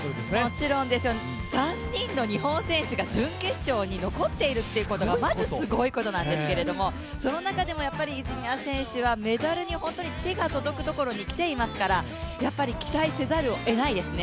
もちろんです、３人の日本人選手が準決勝に残っているということがまずすごいことなんですけれども、その中でもやっぱり泉谷選手はメダルが手に届くところに来ていますからやっぱり期待せざるをえないですね。